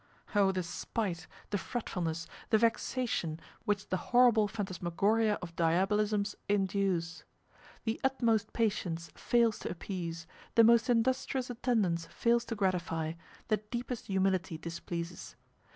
Oh! the spite, the fretfulness, the vexation which the horrible phantasmagoria of diabolisms induce! The utmost patience fails to appease, the most industrious attendance fails to gratify, the deepest humility displeases.